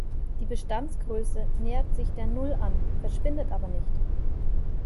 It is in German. Die Bestandsgröße nähert sich der Null an, verschwindet aber nicht.